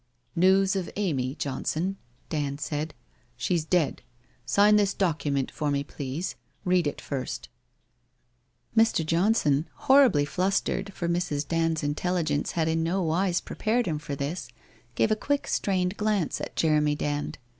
' News of Amy, Johnson/ Dand said. ' She's dead. Sign this document for me, please. Read it first/ Mr. Johnson, horribly flustered, for Mrs. Dand's in WHITE ROSE OF WEARY LEAF 435 telligence had in no wise prepared him for this, gave a quick strained glance at Jeremy Dand.